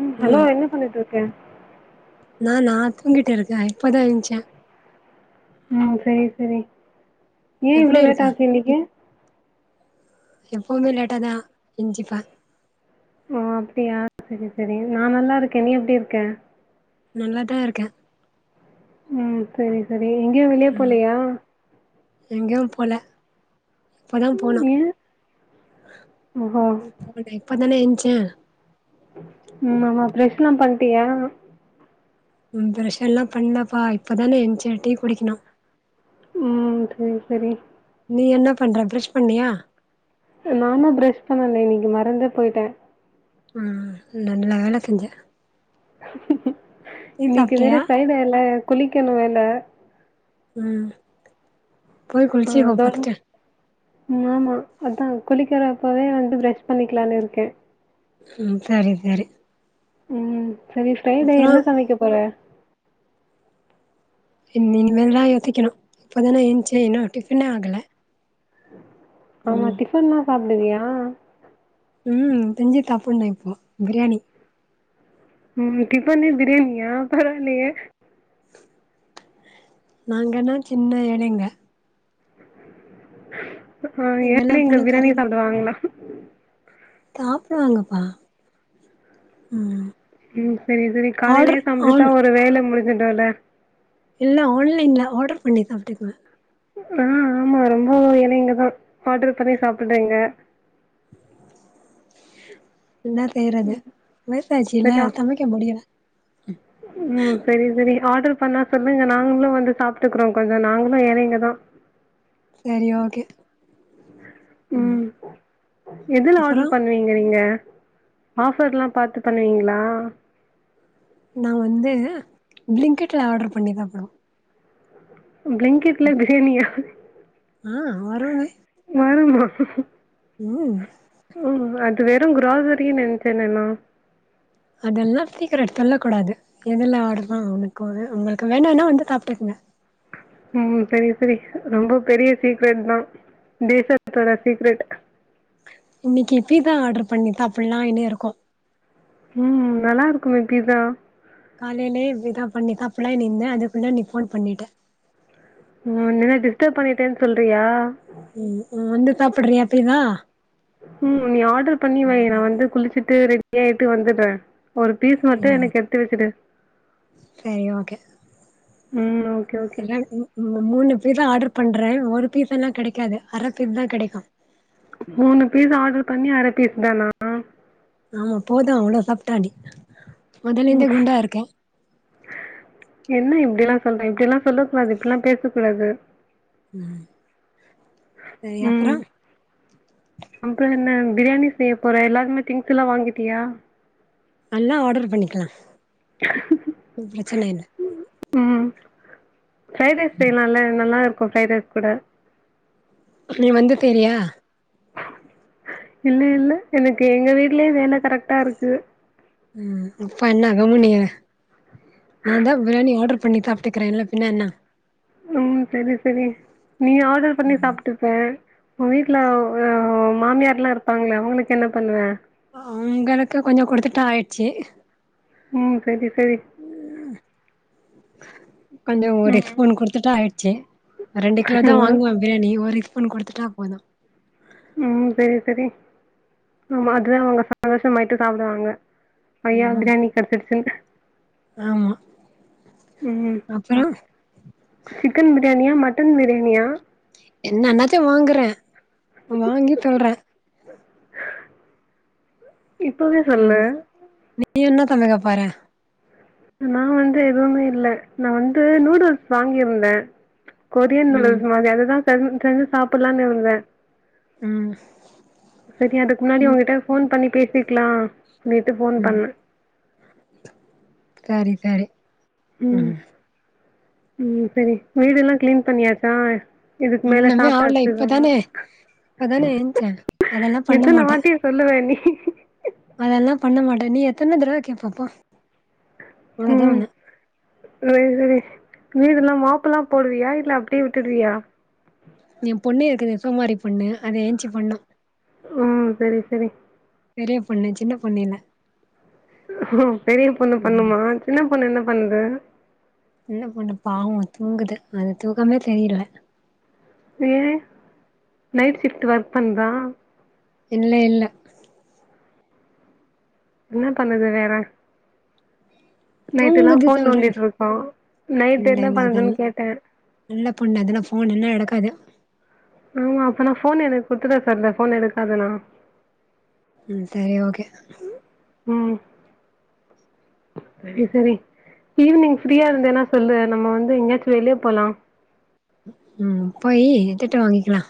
ம் ஹலோ என்ன பண்ணிட்ருக்க நானா தூங்கிட்டு இருக்கே இப்பதா எழுன்ச்சே ம் சரி சரி ஏ இவ்ளோ எப்டி இருக்க லேட்டாச்சு இன்னக்கி எப்பவுமே லேட்டா தா என்சிப்பே ஓ அப்டியா சரி சரி நா நல்லாருக்கே நீ எப்டி இருக்க நல்லாதா இருக்கே ம் சரி சரி எங்கயு வெளிய போலயா எங்கயு போல இப்பதா போனு ஏ ஓஹோ இப்பதான எந்ச்சே ம் ஆமா ப்ரெஷ்லா பண்ட்டியா ம் ப்ரஷல்லா பண்லப்பா இப்பதான என்ச்சே டீ குடிக்கணு ம் சரி சரி நீ என்ன பண்ற ப்ரெஷ் பண்ணியா நானு ப்ரஷ் பண்ணல இன்னக்கி மறந்தே போய்ட்டே ம் நல்ல வேல செஞ்ச டீ இன்னக்கி சாப்ட்டியா வேற ஃப்ரைடேல குளிக்கணு வேல ம் போய் ஆ குளிச்சுக்கோ அதான் ஃபஸ்ட்டு ம் ஆமா அதா குளிக்கிற அப்பவே வந்து ப்ரெஷ் பண்ணிக்கலான்னு இருக்கே ம் சரி சரி ம் இன்னக்கி ஃப்ரைடே அப்றோ என்ன சமைக்க போற இன் இனிமேல்தா யோசிக்கனு இப்பதான என்ச்சே இன்னு டிஃபனே ஆகல ஆமா ம் டிஃபன்ல்லா சாப்டுவியா ம் திஞ்சு டாப்பன்னு இப்போ பிரியாணி ம் டிஃபனே பிரியாணியா பரவாலயே நாங்கனா சின்ன ஏழைங்க ஆ இங்கெல்லா ஏழைங்க பிரியாணி பணக்காரங்க சாப்டுவாங்களா சாப்டுவாங்கப்பா ம் ம் செரி செரி ஆர்டர் காலேலயே சம்ச்சுட்டா ஆன் ஒரு வேல முடுஞ்சுடூல இல்ல ஆன்லைன்ல ஆடர் பண்ணி சாப்ட்டுக்குவ ஆ ஆமா ரொம்போ ஏன்ன இங்கதா ஆடர் பண்ணி சாப்பட்றீங்க என்ன செய்யறது வயசாச்சில்ல சரியா? சமைக்க முடியல ம் சேரி சேரி ஆடர் பண்ணா சொல்லுங்க நாங்களு வந்து சாப்ட்டுக்றோ கொஞ்ச நாங்களு ஏழைங்க தா சேரி ஓகே ம் எதுல அப்றோ ஆடர் பண் நீங்க நீங்க ஆஃபர்ல்லா பாத்து பண்ணுவீங்களா நா வந்து ப்ளிங்கெட்ல ஆடர் பண்ணி தா ப்லோ ப்ளிங்கெட்ல பிரியாணியா ஆ வரோமே வருமா வ்வூ ம் அது வெறு க்ராசரினு நென்ச்சேனேனோ அதெல்லா சீக்ரட் சொல்லக்கூடாது எதுல ஆடுதா அவனுக்கு அது உங்களுக்கு வேணனா வந்து சாப்ட்டுக்குங்க ம் சேரி சேரி ரொம்ப பெரிய சீக்ரெட் தா தேசத் தோட சீக்ரெட் இன்னிக்கு இப்பி தா ஆடர் பண்ணி தாப்புலா இனி இருக்கோ ம் நல்லா இருக்குமே பிசா காலேலே விதா பண்ணி தப்லே நின்ன அதுக்குள்ள நீ ஃபோன் பண்ணிட்டே உ நினா டிஸ்டப் பண்ணிட்டேன் சொல்றியா ம் உ வந்து சாப்புட்றீயா பிசா ம் நீ ஆடர் பண்ணி வை நா வந்து குளிச்சிட்டு ரெடி ஆயிட்டு வந்துறே ஒரு பீஸ் மட்டு எனக்கு எடுத்து வச்சுடு சேரி ஓகே ம் ஓகே ஓகே ம்மு மூணு பீஸா ஆடர் பண்றே ஒரு பீஸல்லா கெடைக்காது அர பீட் தா கெடைக்கு மூணு பீஸா ஆடர் பண்ணி அர பீஸ் தானா ஆமா போது அவ்வளோ சாப்ட்டாடி முதல்ல இருந்தே குண்டா ம் இருக்கே என்ன இப்டி எல்லா சொல்ற இப்டி எல்லா சொல்லக்கூடாது இப்டில்லா பேசக்கூடாது ம் ம் அப்புறோ என்ன பிரியாணி செய்ய போற எல்லாமே திங்ஸ் எல்லா வாங்கிட்டியா எல்லா ஆடரு பண்ணிக்கலா ஒண் பிரச்சன இல்ல ம் ஃப்ரைட் ரைஸ் செய்யலால்ல நல்லா இருக்கு ஃப்ரைட் ரைஸ் கூட நீ வந்துட்ட இலையா இல்ல இல்ல எனக்கு எங்க வீட்லேஃ வேல கரெக்ட்டா இருக்கு ம் இப்ப என்ன க முனிய நாந்தா பிரியாணி ஆடர் பண்ணி சாப்பிட்டுக்கிறேன்ல பின்ன என்ன ம் செரி செரி நீ ஆடர் பண்ணி சாப்ட்டு ஏ உ வீட்டுல மாமியார்ல்லா இருப்பாங்களே அவுங்களுக்கு என்ன பண்ணுவ அவுங்களுக்கு கொஞ்ச கொடுத்துட்ட ஆயிட்ச்சு ம் செரி செரி ம் கொஞ்சோ ஒரு ம் பூன் கொடுத்துட்டா ஆயிடுச்சி ரெண்டு கிலோ தா ஒரு- வாங்குவ பிரியாணி ஒரெக் ஸ்பூன் கொடுத்துட்டா போது ம் சேரி சேரி ஆமா அதா அவ்ங்க சந்தோஷமாயிட்டு சாப்டுவாங்க பைய்ய ம் பிரியாணி கெடச்சிடுச்சுனு ஆமா ம் அப்பறோ சிக்கன் பிரியாணியா மட்டன் பிரியாணியா என்னன்னாத்யு வாங்கற வாங்கி தள்ற இப்பவே சொல்லு ம் நீ என்னு தந்தக பாற நா வந்து எதுமே இல்ல நா வந்து நூடுல்ஸ் வாங்கியிருந்த கொரியன் ம் நூடுல்ஸ் மாரி அதுதான் செஞ்சி செஞ்சி சாப்பலானு இருந்த ம் சரி அதுக்கு முன்னாடி ம் உன்கிட்ட ஃபோன் பண்ணி பேசிக்கலா அப்டின்ட்டு ஃபோன் ம் பண்ண சரி சரி ம் ம் சரி வீடு எல்லா கிளீன் பண்ணியாச்சா இதுக்கு மேல ஒண்ணுமே சாப்ட்டா ஆவல அடிச்சிருவானா இப்பதானே இப்பதானே ஏன்ச்சே அதெல்லா பண்ண எத்தன மாட்டே வாட்டி சொல்லுவ நீ அதெல்லா பண்ண மாட்டான் நீ எத்தன தரவ கேப்ப போ உனக்குதா ம் ஒண்ணு சரி சரி வீடெல்லா மாப் எல்லா போடுவியா இல்ல அப்டியே விட்டிடுவியா என் பொண்ணு இருக்குதே சோமாறி பொண்ணு அது ஏஞ்ச்சுபண்ணு அ சரி சரி பெரிய பொண்ணு சின்ன பொண்ணு இல்ல பெரிய பொண்ணு ம் பண்ணுமா சின்ன பொண்ணு என்ன பண்ணுது சின்ன பொண்ணு பாவோ தூங்குது அது தூக்காமே தெளியல ஏன் நைட் ஷிஃப்ட் ஒர்க் பண்ணுதா இல்ல இல்ல என்ன பண்ணுது வேற நைட்டெல்லா தூங்குது ஃபோன் சொல்றே நோண்டிட்டு இருக்கு நைட்டு என்ன பண்ணுதுன்னு கேட்ட நல்லா பொண்ணு அது எல்லா ஃபோன் எல்லா எடுக்காது ஆமா அப்ப நா ஃபோன் எனக்கு குடுத்திட சொல்லு ஃபோன் எடுக்காதுனா ம் சரி ஓகே ம் சரி சரி ஈவினிங் ஃப்ரீயா இருந்தீனா சொல்லு நம்ம வந்து எங்கையாச்சு வெளிய போலா ம் போய் திட்டு வாங்கிக்கலா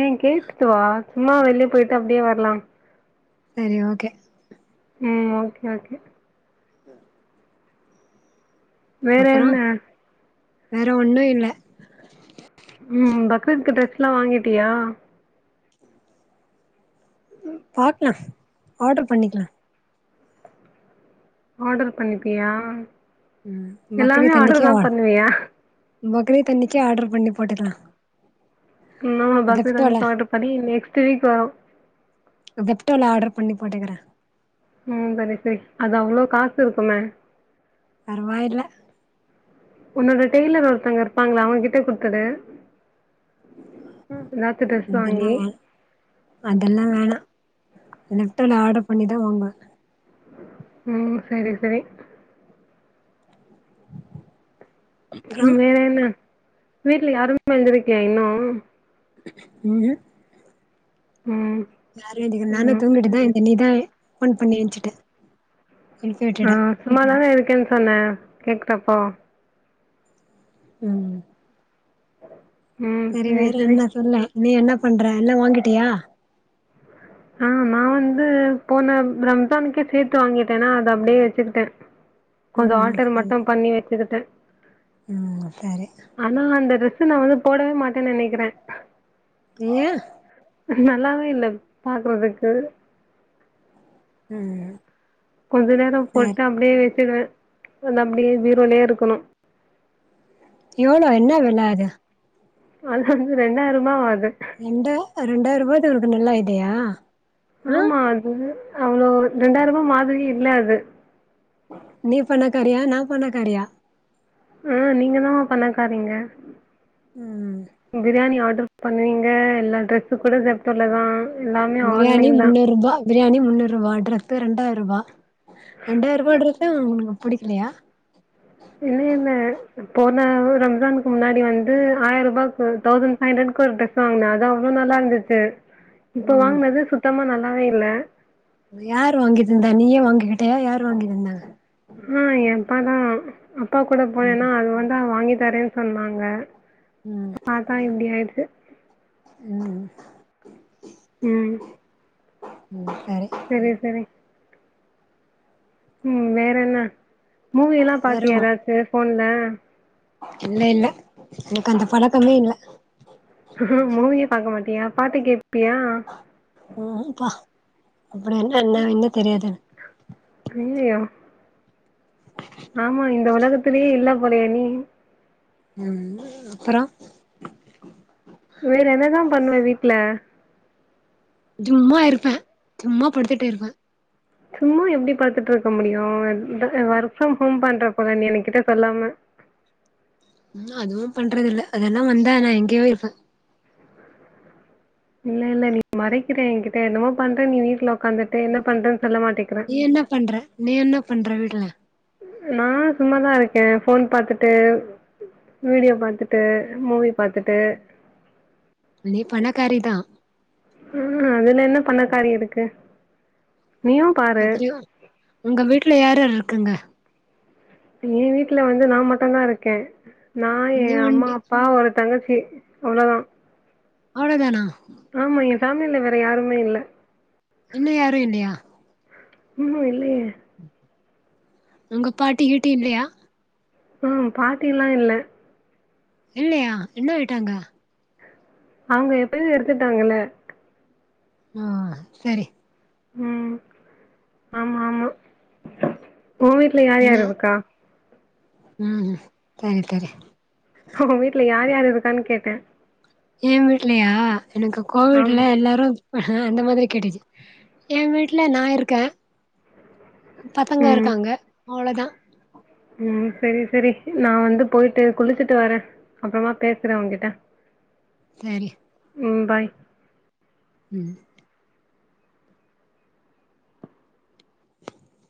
ஏன் கேட்டுட்டு வா சும்மா வெளிய போயிட்டு அப்டியே வர்லா சரி ஓகே ம் ஓகே ஓகே சரி வேற அப்பறோ என்ன வேற ஒன்னு இல்ல ம் பக்ரீ்த்துக்கு ட்ரெஸ் எல்லா வாங்கிட்டியா ம் பாக்கலா ஆர்டரு பண்ணிக்கலா ஆர்டர் பண்ணிப்பியா ம் எல்லாமே பக்ரீத் அன்னைக்கே ஆர்டருதா ஆல் பண்ணுவியா பக்ரீத் அன்னைக்கு ஆர்டர் பண்ணி போட்டுக்கலா பக்ரீத் ஜெப்டோல அன்னைக்கு ஆர்டர் பண்ணி நெக்ஸ்ட் வீக் வரு செப்ட்டோல ஆர்டர் பண்ணி போட்டுக்கற ம் சரி சரி அது அவ்ளோ காசு இருக்குமே பரவாயில்ல உன்னோட டெய்லர் ஒருத்தங்க இருப்பாங்கள்ள அவங்ககிட்ட குடுத்திடு ட்ரெஸ் வாங்கி இங்கென்னவா அதெல்லா வேணா ஜீப்டோல ஆர்டர் பண்ணிதா வாங்குவே ம் சரி சரி அப்புறோ வேற என்ன வீட்ல யாருமே எழுந்திரிக்கயை இன்னு ம் ம் யாரு எழுந்திருக்கல நானு ம் தூங்கிட்டுதா இருந்தே நீதா போன் பண்ணி ஏஞ்சுட்ட ஆ சும்மா தான இருக்கேன்னு சொன்ன கேக்குதா இப்போ ம் சரி வேற என்ன சொல்லு நீ என்ன பண்ற எல்லா வாங்கிட்டியா ஆ நா வந்து து போன ரம்ஜானுக்கே சேத்து வாங்கிட்டேன்னா அத அப்டியே வச்சுக்கிட்டே கொஞ்சோ ம் ம் ஆல்டர் ம் மட்டு பண்ணி வச்சுக்கிட்டே ம் சரி ஆனா அந்த டிரரெஸ்சு வந்து நா போடவே மாட்டேன்னு நெனைக்கிறே நீயெ நல்லாவே இல்ல பாக்குறதுக்கு ம் ம் கொஞ்ச நேரம் போட்டு அப்டியே வச்சுடுவே அந்த அப்டியே பீரோலயே இருக்கணு எவ்வளோ என்னா வெல அது அது வந்து ரெண்டாயிரமா ஆது ரெண்டாய ரெண்டாயிரூபாயது நல்லா இதையா ஆ இது அவ்ளோ ரெண்டாயிரூபா மாதிரியே இல்ல அது நீ பணகாரியா நா பணக்காரியா ஆ நீங்க தா பணக்காரீங்க ம் பிரியாணி ஆர்டர் பண்ணுவீங்க எல்லா டிரரெஸ்ஸு கூட ஜிப்டோலதா பிரியாணி முன்னூரூபா பிரியாணி முன்னுரூபா ட்ரெஸு ரெண்டாயிரூபா ரெண்டாயிரூபா ட்ரெஸ்ஸு உனக்கு புடிக்கலையா என்ன இன போன ரம்ஜானுக்கு முன்னாடி வந்து ஆயிரூபாக்கு தௌசண்ட் ஃபைவ் ஹண்ட்ரக்கு ஒரு ட்ரெஸ் வாங்குனே அது அவ்ளோ நல்லாருந்துச்சு இப்போ ம் வாங்கினது சுத்தமா நல்லாவே இல்ல அது யார் வாங்கி தந்தா நீயே வாங்கிக்கிட்டயா யாரு வாங்கி தந்தாங்க ம் ம் ஏ அப்பாதா அப்பா கூட போனேன்னா ம் அது வந்தா வாங்கி தரே சொன்னாங்க ம் பாத்தா இப்டி ஆயிடுச்சு ம் ம் ம் சரி சரி சரி ம் வேற என்ன மூவில்லா பாத்தியா வருவோ ஏதாச்சு போன்ல இல்ல இல்ல எனக்கு அந்த பழக்கமே இல்ல மூவியே பாக்க மாட்டியா பாட்டு கேப்பியா ம்ப்பா அப்படிய என்னனா என்ன தெரியாது அய்யயோ ஆமா இந்த உலகத்தலயே இல்ல போலயா நீ ம் அப்பற வேற என்னதா பண்ணுவ வீட்ல ஜும்மா இருப்ப சும்மா படுத்துட்டே இருப்ப சும்மா எப்டி படுத்துட்டுருக்க முடியு ஒர்க் ஃப்ரம் ஹோம் பண்ற போல நீ என கிட்ட சொல்லாம ம் அதுவு பண்றதுல்ல அதெல்லா வந்தா நா எங்கயோ இருப்ப இல்ல இல்ல நீ மறைக்கிற எகிட்ட என்னமோ பண்ற நீ வீட்ல உக்காந்துட்டு என்ன பண்றன்னு சொல்ல மாட்டிக்கிற நீ என்ன பண்ற நீ என்ன பண்ற வீட்ல நா சும்மாதா இருக்க ஃபோன் பாத்துட்டு வீடியோ பாத்துட்டு மூவி பாத்துட்டு நீ பணக்காரிதா ம் அதுல என்ன பண்ணகாரி இருக்கு நீயு அப்றியோ உங்க வீட்ல யார் யார் இருக்காங்க எ வீட்ல வந்து நா மட்டு தா இருக்கே நா எ நீ அம்மா ஒண்டி அப்பா ஒரு தங்கச்சி அவ்ளோ தா அவ்ளதானா ஆமா எ ஃபேமிலி ல வேற யாருமே இல்ல அண்ண யாரு இல்லையா ம்ஹும் இல்லையே உங்க பாட்டி ஹீட்டி இல்லையா ம் பாட்டில்லா இல்ல இல்லையா என்ன வேய்ட்டாங்க அவங்க எப்பவே எடுத்துட்டாங்கல்ல அஹ் சரி ம் ஆமா ஆமா உ வீட்ல யார் யார் இருக்கா ம்ம் கரே கரே உங்க வீட்ல யார் யாரு இருக்கான்னு கேட்ட எ வீட்லையா எனக்கு ஆமா கோவிட்ல எல்லாரு அந்த மாதிரி கேட்டுச்சு எ வீட்ல நா இருக்க பசங்க ம் இருக்காங்க அவ்ளதா ம் சரி சரி நா வந்து போய்ட்டு குளிச்சுட்டு வர அப்பறமா பேசற ஒகிட்ட சரி ம் பாய் ம்